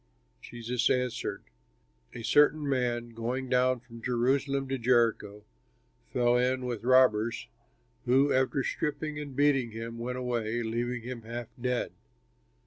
Jesus answered, "A certain man going down from Jerusalem to Jericho fell in with robbers who after stripping and beating him went away, leaving him half dead.